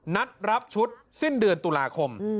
นัดรับชุดสิ้นเดือนตุลาคม